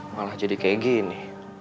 malah jadi kayak gini